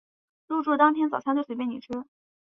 入住当天早餐就随便你吃